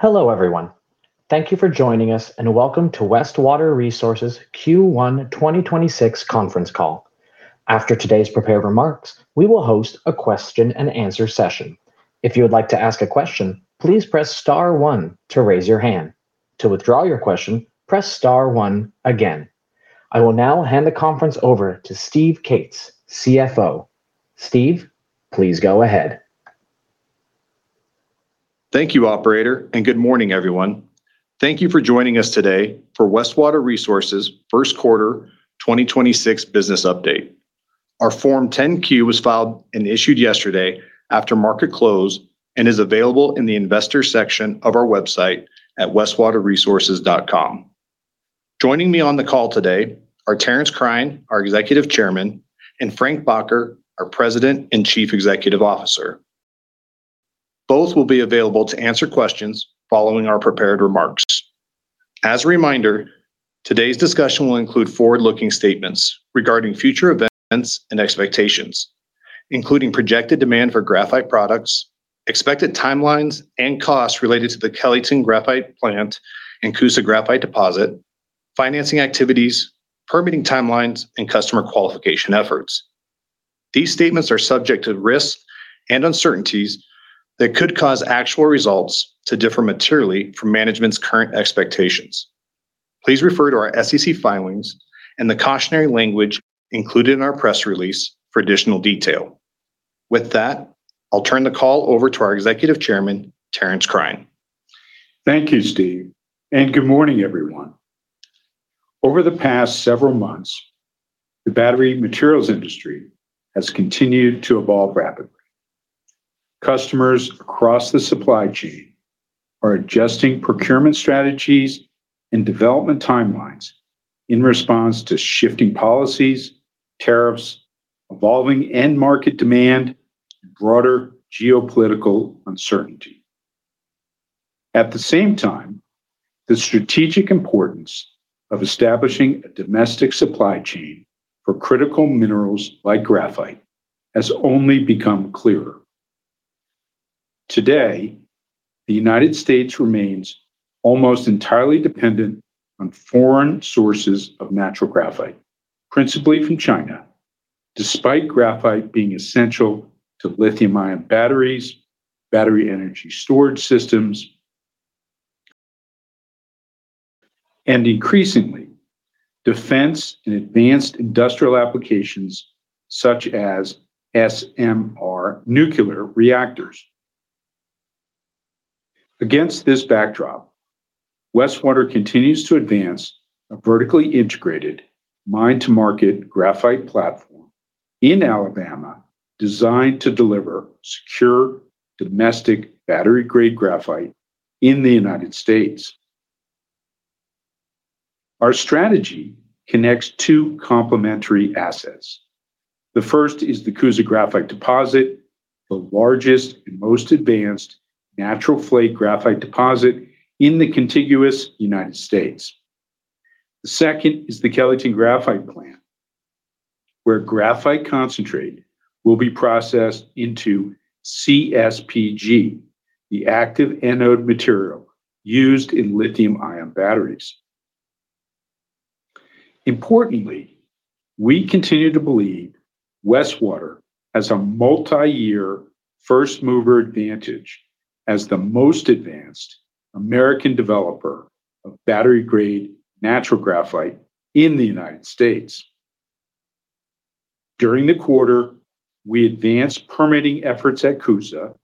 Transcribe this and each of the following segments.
Hello, everyone. Thank you for joining us, and welcome to Westwater Resources Q1 2026 conference call. After today's prepared remarks, we will host a question-and-answer session. If you would like to ask a question, please press star one to raise your hand. To withdraw your question, press star one again. I will now hand the conference over to Steven Cates, CFO. Steve, please go ahead. Thank you, operator. Good morning, everyone. Thank you for joining us today for Westwater Resources' 1st quarter 2026 business update. Our Form 10-Q was filed and issued yesterday after market close and is available in the investors section of our website at westwaterresources.com. Joining me on the call today are Terence Cryan, our Executive Chairman, and Frank Bakker, our President and Chief Executive Officer. Both will be available to answer questions following our prepared remarks. As a reminder, today's discussion will include forward-looking statements regarding future events and expectations, including projected demand for graphite products, expected timelines and costs related to the Kellyton Graphite Plant and Coosa graphite deposit, financing activities, permitting timelines, and customer qualification efforts. These statements are subject to risks and uncertainties that could cause actual results to differ materially from management's current expectations. Please refer to our SEC filings and the cautionary language included in our press release for additional detail. With that, I'll turn the call over to our Executive Chairman, Terence Cryan. Thank you, Steve, and good morning, everyone. Over the past several months, the battery materials industry has continued to evolve rapidly. Customers across the supply chain are adjusting procurement strategies and development timelines in response to shifting policies, tariffs, evolving end-market demand, broader geopolitical uncertainty. At the same time, the strategic importance of establishing a domestic supply chain for critical minerals like graphite has only become clearer. Today, the United States remains almost entirely dependent on foreign sources of natural graphite, principally from China, despite graphite being essential to lithium-ion batteries, battery energy storage systems, and increasingly, defense and advanced industrial applications such as SMR nuclear reactors. Against this backdrop, Westwater continues to advance a vertically integrated mine-to-market graphite platform in Alabama designed to deliver secure domestic battery-grade graphite in the United States. Our strategy connects two complementary assets. The first is the Coosa Graphite Deposit, the largest and most advanced natural flake graphite deposit in the contiguous United States. The second is the Kellyton Graphite Plant, where graphite concentrate will be processed into CSPG, the active anode material used in lithium-ion batteries. Importantly, we continue to believe Westwater has a multi-year first-mover advantage as the most advanced American developer of battery-grade natural graphite in the United States. During the quarter, we advanced permitting efforts at Coosa,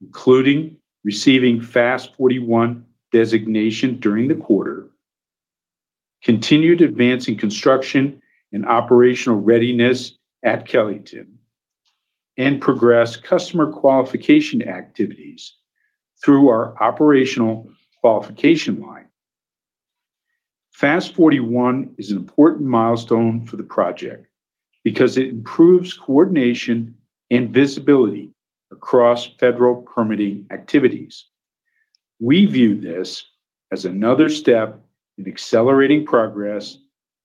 including receiving FAST-41 designation during the quarter, continued advancing construction and operational readiness at Kellyton, progressed customer qualification activities through our operational qualification line. FAST-41 is an important milestone for the project because it improves coordination and visibility across federal permitting activities. We view this as another step in accelerating progress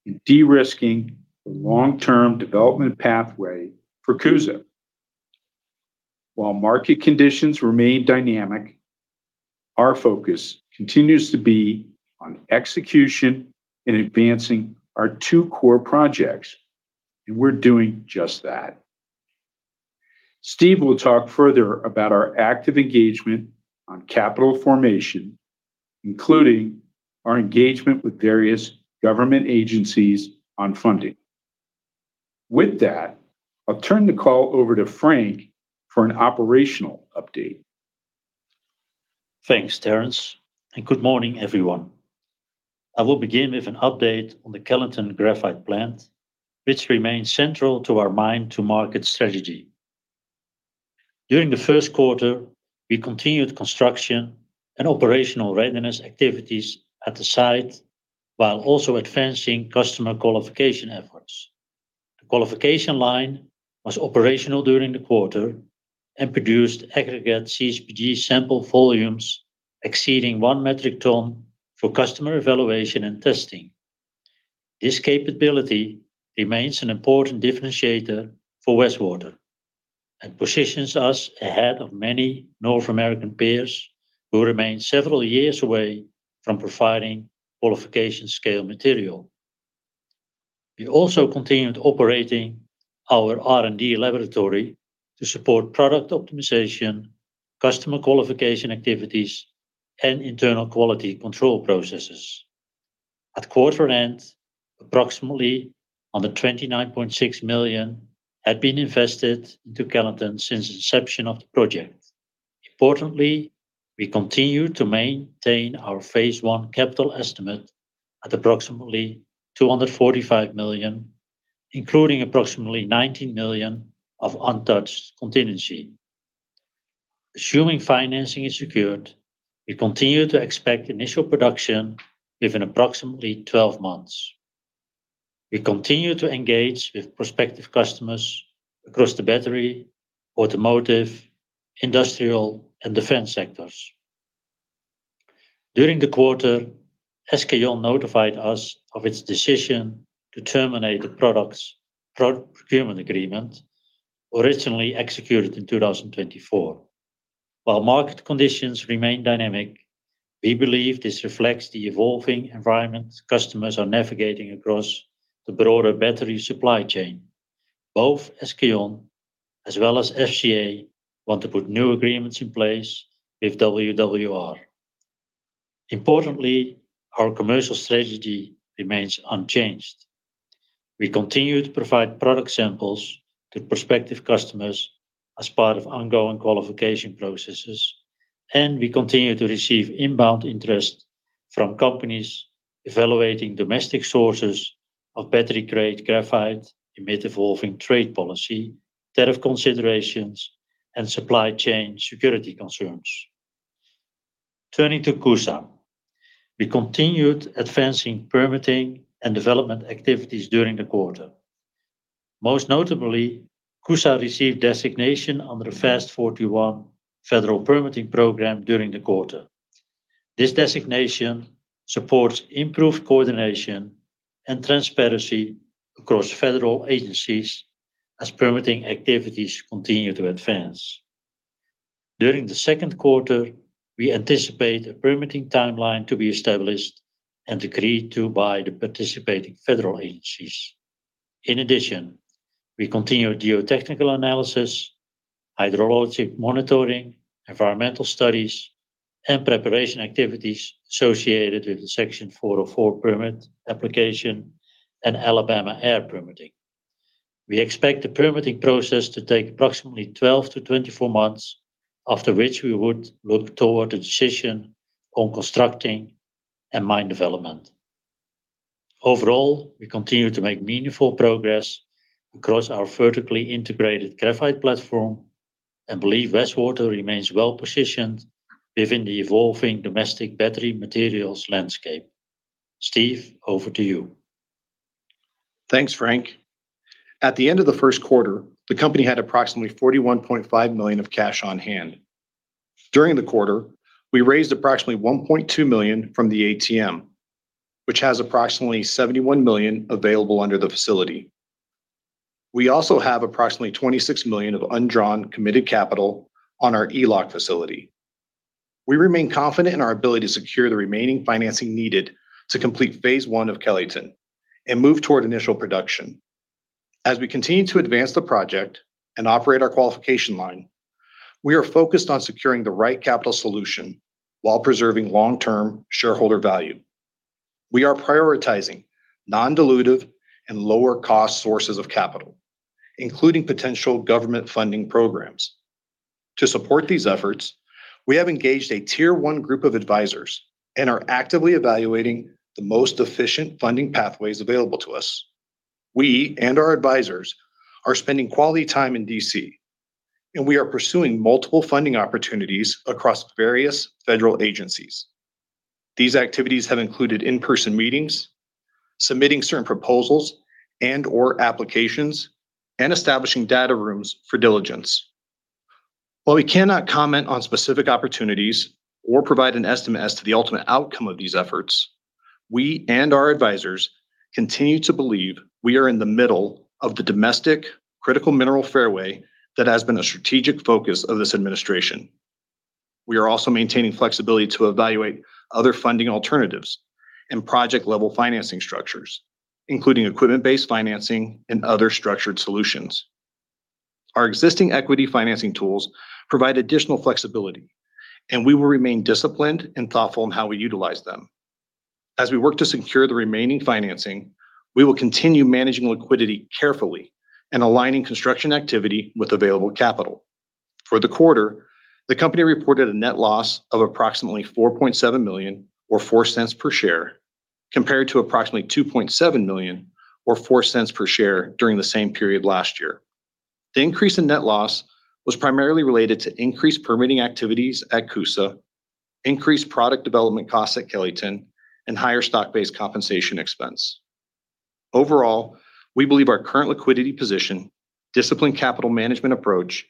in de-risking the long-term development pathway for Coosa. While market conditions remain dynamic, our focus continues to be on execution and advancing our two core projects, and we're doing just that. Steve will talk further about our active engagement on capital formation, including our engagement with various government agencies on funding. With that, I'll turn the call over to Frank for an operational update. Thanks, Terence. Good morning, everyone. I will begin with an update on the Kellyton Graphite Plant, which remains central to our mine-to-market strategy. During the first quarter, we continued construction and operational readiness activities at the site while also advancing customer qualification efforts. The qualification line was operational during the quarter and produced aggregate CSPG sample volumes exceeding 1 metric ton for customer evaluation and testing. This capability remains an important differentiator for Westwater and positions us ahead of many North American peers who remain several years away from providing qualification scale material. We also continued operating our R&D laboratory to support product optimization, customer qualification activities, and internal quality control processes. At quarter end, approximately $29.6 million had been invested into Kellyton since inception of the project. Importantly, we continue to maintain our phase 1 capital estimate at approximately $245 million, including approximately $19 million of untouched contingency. Assuming financing is secured, we continue to expect initial production within approximately 12 months. We continue to engage with prospective customers across the battery, automotive, industrial, and defense sectors. During the quarter, SK On notified us of its decision to terminate the product's procurement agreement originally executed in 2024. While market conditions remain dynamic, we believe this reflects the evolving environment customers are navigating across the broader battery supply chain. Both SK On as well as FCA want to put new agreements in place with WWR. Importantly, our commercial strategy remains unchanged. We continue to provide product samples to prospective customers as part of ongoing qualification processes, and we continue to receive inbound interest from companies evaluating domestic sources of battery-grade graphite amid evolving trade policy, tariff considerations, and supply chain security concerns. Turning to Coosa, we continued advancing permitting and development activities during the quarter. Most notably, Coosa received designation under the FAST-41 federal permitting program during the quarter. This designation supports improved coordination and transparency across federal agencies as permitting activities continue to advance. During the second quarter, we anticipate a permitting timeline to be established and agreed to by the participating federal agencies. In addition, we continue geotechnical analysis, hydrologic monitoring, environmental studies, and preparation activities associated with the Section 404 permit application and Alabama air permitting. We expect the permitting process to take approximately 12-24 months, after which we would look toward a decision on constructing and mine development. Overall, we continue to make meaningful progress across our vertically integrated graphite platform and believe Westwater remains well-positioned within the evolving domestic battery materials landscape. Steve, over to you. Thanks, Frank. At the end of the first quarter, the company had approximately $41.5 million of cash on hand. During the quarter, we raised approximately $1.2 million from the ATM, which has approximately $71 million available under the facility. We also have approximately $26 million of undrawn committed capital on our ELOC facility. We remain confident in our ability to secure the remaining financing needed to complete phase 1 of Kellyton and move toward initial production. As we continue to advance the project and operate our qualification line, we are focused on securing the right capital solution while preserving long-term shareholder value. We are prioritizing non-dilutive and lower-cost sources of capital, including potential government funding programs. To support these efforts, we have engaged a Tier 1 group of advisors and are actively evaluating the most efficient funding pathways available to us. We and our advisors are spending quality time in D.C., and we are pursuing multiple funding opportunities across various federal agencies. These activities have included in-person meetings, submitting certain proposals and/or applications, and establishing data rooms for diligence. While we cannot comment on specific opportunities or provide an estimate as to the ultimate outcome of these efforts. We and our advisors continue to believe we are in the middle of the domestic critical mineral fairway that has been a strategic focus of this administration. We are also maintaining flexibility to evaluate other funding alternatives and project-level financing structures, including equipment-based financing and other structured solutions. Our existing equity financing tools provide additional flexibility, and we will remain disciplined and thoughtful in how we utilize them. As we work to secure the remaining financing, we will continue managing liquidity carefully and aligning construction activity with available capital. For the quarter, the company reported a net loss of approximately $4.7 million or $0.04 per share, compared to approximately $2.7 million or $0.04 per share during the same period last year. The increase in net loss was primarily related to increased permitting activities at Coosa, increased product development costs at Kellyton, and higher stock-based compensation expense. Overall, we believe our current liquidity position, disciplined capital management approach,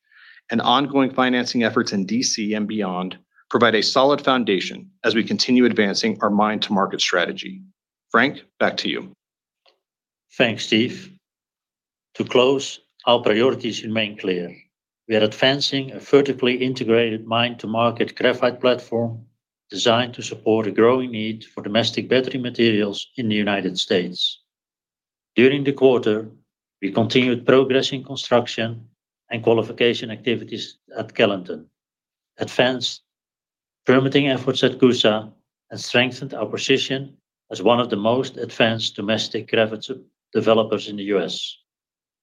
and ongoing financing efforts in D.C. and beyond provide a solid foundation as we continue advancing our mine to market strategy. Frank, back to you. Thanks, Steve. To close, our priorities remain clear. We are advancing a vertically integrated mine-to-market graphite platform designed to support a growing need for domestic battery materials in the United States. During the quarter, we continued progressing construction and qualification activities at Kellyton, advanced permitting efforts at Coosa, and strengthened our position as one of the most advanced domestic graphite developers in the U.S.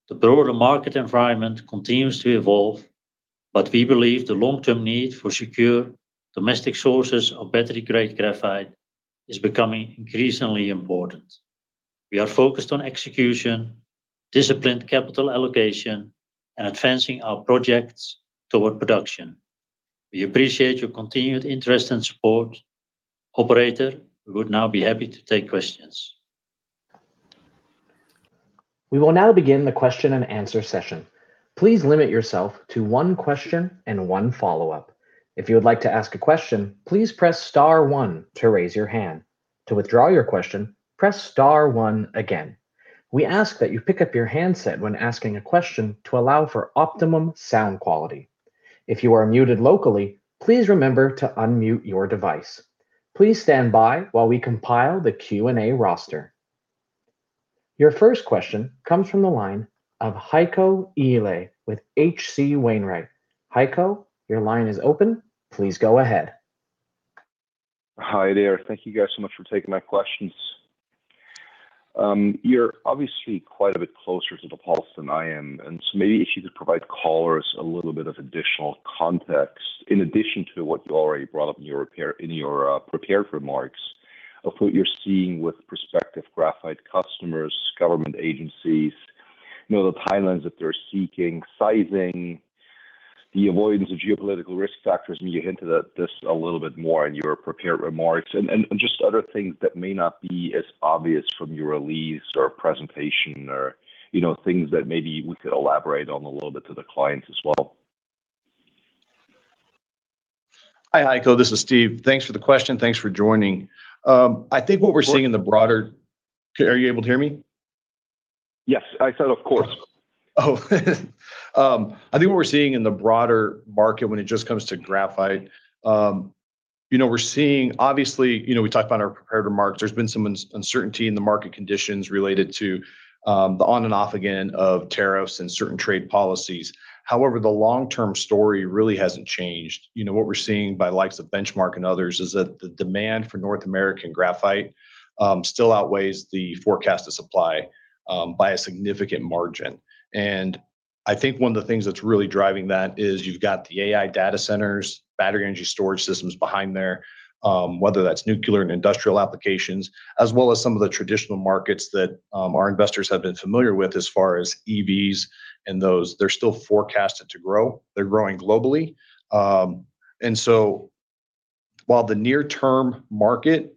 The broader market environment continues to evolve, but we believe the long-term need for secure domestic sources of battery-grade graphite is becoming increasingly important. We are focused on execution, disciplined capital allocation, and advancing our projects toward production. We appreciate your continued interest and support. Operator, we would now be happy to take questions. We will now begin the question-and-answer session. Please limit yourself to one question and one follow-up. If you would like to ask a question, please press star one to raise your hand. To withdraw your question, please press star one again. We ask that you pick up your handset when asking a question to allow for optimum sound quality. If you are muted locally, please remember to unmute your device. Please stand by while we compile the Q&A roster. Your first question comes from the line of Heiko Ihle with H.C. Wainwright. Heiko, your line is open. Please go ahead. Hi there. Thank you, guys, so much for taking my questions. You're obviously quite a bit closer to the pulse than I am. Maybe if you could provide callers a little bit of additional context in addition to what you already brought up in your prepared remarks of what you're seeing with prospective graphite customers, government agencies, you know, the timelines that they're seeking, sizing, the avoidance of geopolitical risk factors. I mean, you hinted at this a little bit more in your prepared remarks, and just other things that may not be as obvious from your release or presentation or, you know, things that maybe we could elaborate on a little bit to the clients as well. Hi, Heiko. This is Steve. Thanks for the question. Thanks for joining. Are you able to hear me? Yes. I said, "Of course. I think what we're seeing in the broader market when it just comes to graphite, you know, we're seeing obviously, you know, we talked about in our prepared remarks, there's been some uncertainty in the market conditions related to the on-and-off again of tariffs and certain trade policies. The long-term story really hasn't changed. You know, what we're seeing by the likes of Benchmark and others is that the demand for North American graphite still outweighs the forecasted supply by a significant margin. I think one of the things that's really driving that is you've got the AI data centers, battery energy storage systems behind there, whether that's nuclear and industrial applications, as well as some of the traditional markets that our investors have been familiar with as far as EVs and those, they're still forecasted to grow. They're growing globally. While the near-term market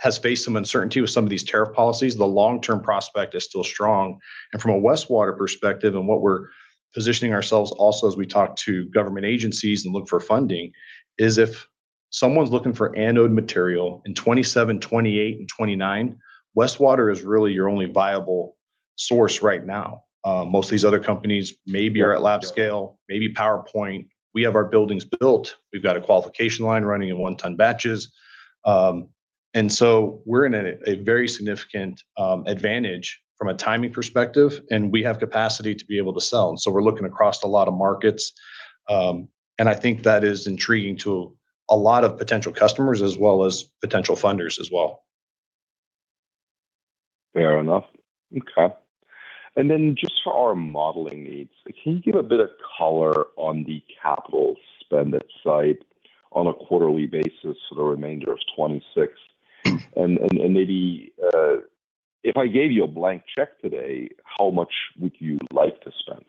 has faced some uncertainty with some of these tariff policies, the long-term prospect is still strong. From a Westwater perspective on what we're positioning ourselves also as we talk to government agencies and look for funding is if someone's looking for anode material in 2027, 2028, and 2029, Westwater is really your only viable source right now. Most of these other companies maybe are at lab scale, maybe PowerPoint. We have our buildings built. We've got a qualification line running in 1-ton batches. We're in a very significant advantage from a timing perspective, and we have capacity to be able to sell. We're looking across a lot of markets. I think that is intriguing to a lot of potential customers as well as potential funders as well. Fair enough. Okay. Then, just for our modeling needs, can you give a bit of color on the capital spend at site on a quarterly basis for the remainder of 2026? Maybe, if I gave you a blank check today, how much would you like to spend?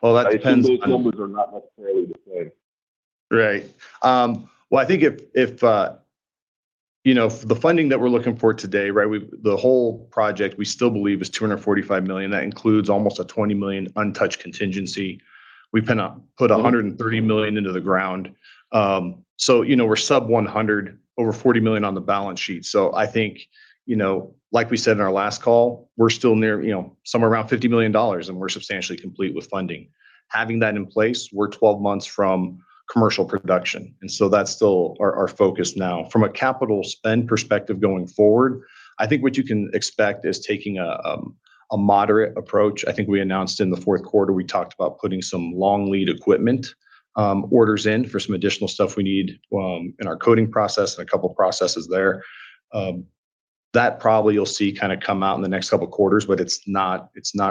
Well, that depends. I think those numbers are not necessarily the same. Right. Well, I think if, you know, the funding that we're looking for today, right, the whole project, we still believe is $245 million. That includes almost a $20 million untouched contingency. We put $130 million into the ground. You know, we're sub $100 million, over $40 million on the balance sheet. I think, you know, like we said in our last call, we're still near, you know, somewhere around $50 million, and we're substantially complete with funding. Having that in place, we're 12 months from commercial production, and so that's still our focus now. From a capital spend perspective going forward, I think what you can expect is taking a moderate approach. I think we announced in the fourth quarter, we talked about putting some long lead equipment, orders in for some additional stuff we need, in our coating process, and a couple of processes there. That probably you'll see kinda come out in the next couple of quarters, but it's not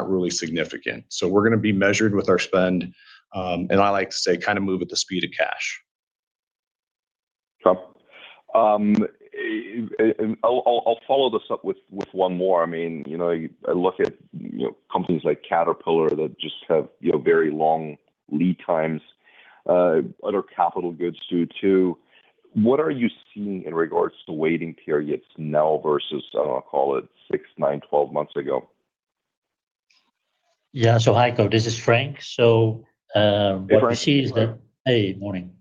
really significant. We're gonna be measured with our spend, and I like to say kinda move at the speed of cash. Sure. I'll follow this up with one more. I mean, you know, I look at, you know, companies like Caterpillar that just have, you know, very long lead times. Other capital goods too. What are you seeing in regards to waiting periods now versus, I'll call it six, nine, 12 months ago? Yeah. Heiko, this is Frank. Hey, Frank. How are you? Hey. Morning.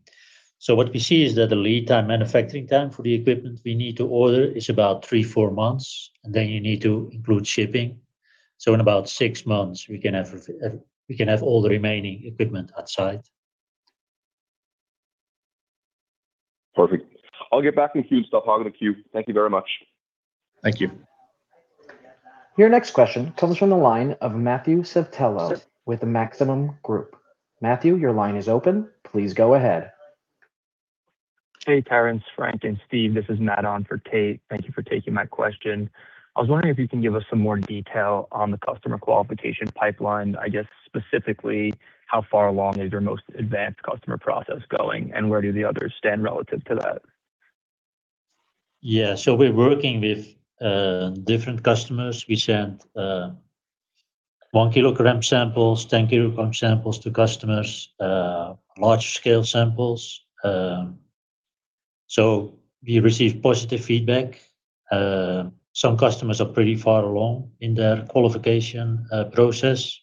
What we see is that the lead time, manufacturing time for the equipment we need to order is about three, four months, and then you need to include shipping. In about six months, we can have all the remaining equipment at site. Perfect. I'll get back in queue and stop hogging the queue. Thank you very much. Thank you. Your next question comes from the line of Matthew Sotelo with Maxim Group. Matthew, your line is open. Please go ahead. Hey, Terence, Frank, and Steve, this is Matt on for Tate. Thank you for taking my question. I was wondering if you can give us some more detail on the customer qualification pipeline. I guess specifically, how far along is your most advanced customer process going, and where do the others stand relative to that? We're working with different customers. We sent 1 kg samples, 10 kg samples to customers, large scale samples. We received positive feedback. Some customers are pretty far along in their qualification process.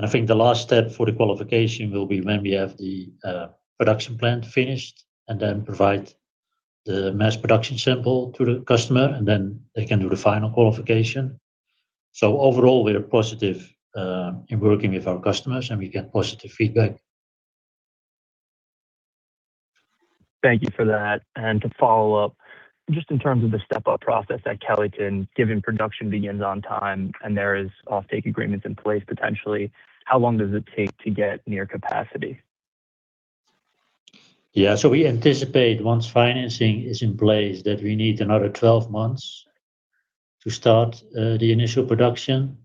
I think the last step for the qualification will be when we have the production plant finished, and then provide the mass production sample to the customer, and then they can do the final qualification. Overall, we are positive in working with our customers, and we get positive feedback. Thank you for that. To follow up, just in terms of the step-up process at Kellyton, given production begins on time and there is offtake agreements in place, potentially, how long does it take to get near capacity? We anticipate once financing is in place, that we need another 12 months to start the initial production.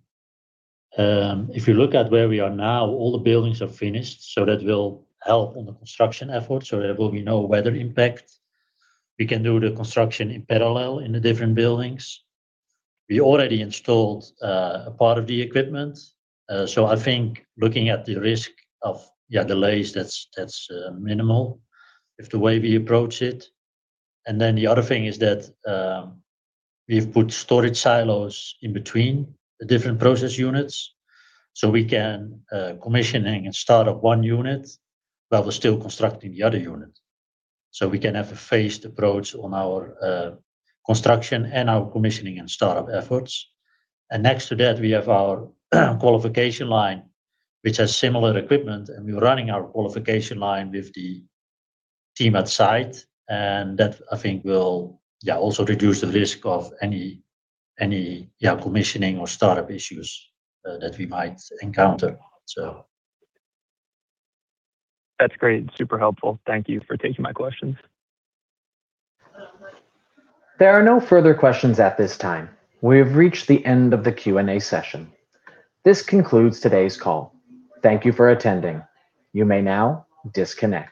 If you look at where we are now, all the buildings are finished, so that will help on the construction effort, so there will be no weather impact. We can do the construction in parallel in the different buildings. We already installed a part of the equipment. I think looking at the risk of delays, that's minimal with the way we approach it. The other thing is that we've put storage silos in between the different process units, so we can commissioning and start up one unit while we're still constructing the other unit. We can have a phased approach on our construction and our commissioning and startup efforts. Next to that, we have our qualification line, which has similar equipment, and we're running our qualification line with the team at site. That, I think, will also reduce the risk of any commissioning or startup issues that we might encounter. That's great. Super helpful. Thank you for taking my questions. There are no further questions at this time. We have reached the end of the Q&A session. This concludes today's call. Thank you for attending. You may now disconnect.